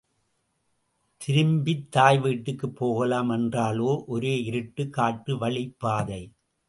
திரும்பித் தாய் வீட்டுக்குப் போகலாம் என்றாலோ ஒரே இருட்டு காட்டு வழிப்பாதை.